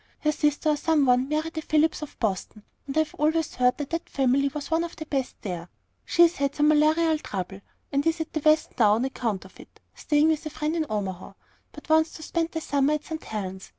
Her sister, or some one, married a Phillips of Boston, and I've always heard that that family was one of the best there. She's had some malarial trouble, and is at the West now on account of it, staying with a friend in Omaha; but she wants to spend the summer at St. Helen's.